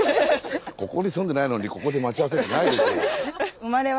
ここに住んでないのにここで待ち合わせってないでしょう。